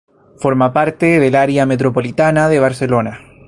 Forma parte del área metropolitana de Barcelona.